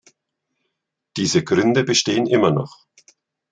Diese Gründe bestehen immer noch.